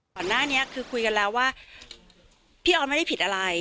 ก่อนหน้านี้คือคุยกันแล้วว่าพี่ออสไม่ได้ผิดอะไร